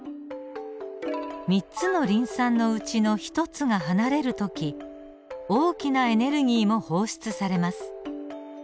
３つのリン酸のうちの１つが離れる時大きなエネルギーも放出されます。